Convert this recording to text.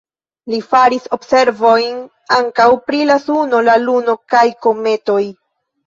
Li faris observojn ankaŭ pri la Suno, la Luno kaj kometoj.